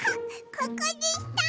ここでした！